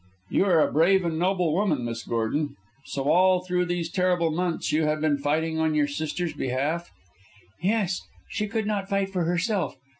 "You are a brave and noble woman, Miss Gordon. So all through these terrible months you have been fighting on your sister's behalf?" "Yes; she could not fight for herself.